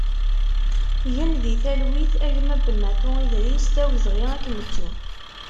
Gen di talwit a gma Benatou Idris, d awezɣi ad k-nettu!